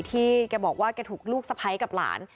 เกี่ยวกับว่าการถูกลูกสะพ้ายกับหลาน